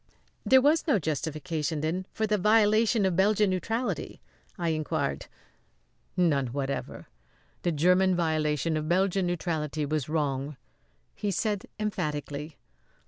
"There was no justification, then, for the violation of Belgian neutrality?" I inquired. "None whatever! The German violation of Belgian neutrality was wrong," he said emphatically.